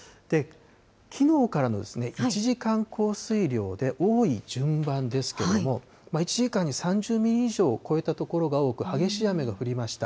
きのうからの１時間降水量で多い順番ですけれども、１時間に３０ミリ以上超えた所が多く、激しい雨が降りました。